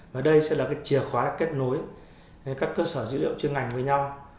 và đây sẽ là cái chìa khóa kết nối các cơ sở dữ liệu chuyên ngành với nhau